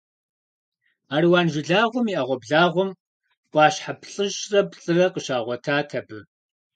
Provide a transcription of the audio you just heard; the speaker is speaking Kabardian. Аруан жылагъуэм и Ӏэгъуэблагъэм Ӏуащхьэ плӏыщӏрэ плӏырэ къыщигъуэтат абы.